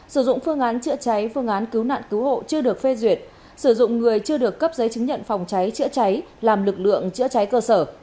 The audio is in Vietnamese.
sử dụng phương án chữa cháy phương án cứu nạn cứu hộ chưa được phê duyệt sử dụng người chưa được cấp giấy chứng nhận phòng cháy chữa cháy làm lực lượng chữa cháy cơ sở